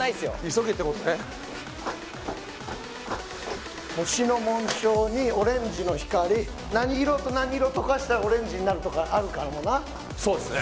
急げってことね星の紋章にオレンジの光何色と何色溶かしたらオレンジになるとかあるかもなそうですね